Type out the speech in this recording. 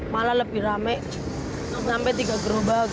malah lebih rame sampai tiga gerobak